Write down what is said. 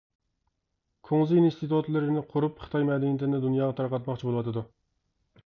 كۇڭزى ئىنستىتۇتلىرىنى قۇرۇپ، خىتاي مەدەنىيىتىنى دۇنياغا تارقاتماقچى بولۇۋاتىدۇ.